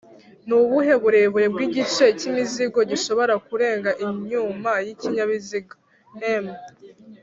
Nubuhe burebure bw’igice cy’imizigo gishobora kurenga inyuma y’ikinyabiziga? m